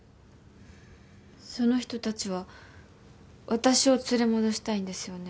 その人たちは私を連れ戻したいんですよね？